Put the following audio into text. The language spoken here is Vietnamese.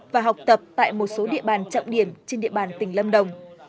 và học tập tại một số địa bàn trọng điểm trên địa bàn tỉnh lâm đồng